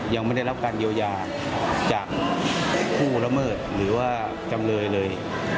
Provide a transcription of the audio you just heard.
ยังไม่ได้รับการเยียวยาจากผู้ละเมิดหรือว่าจำเลยเลย